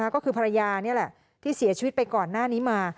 ก็คือภรรยานี่แหละที่เสียชีวิตไปก่อนหน้านี้มา